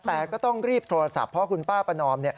แต่ก็ต้องรีบโทรศัพท์เพราะคุณป้าประนอม